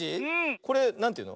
これなんていうの？